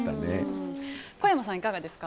小山さん、いかがですか？